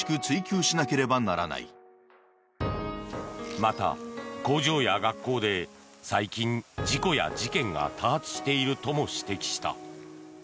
また、工場や学校で最近、事故や事件が多発しているとも指摘した。